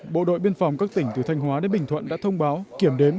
bộ đội biên phòng các tỉnh từ thanh hóa đến bình thuận đã thông báo kiểm đếm